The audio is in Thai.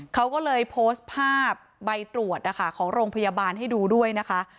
เขาก็เลยโพสต์ภาพใบตรวจนะคะของโรงพยาบาลให้ดูด้วยนะคะ